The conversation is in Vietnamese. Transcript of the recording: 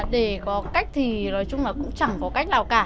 để có cách thì nói chung là cũng chẳng có cách nào cả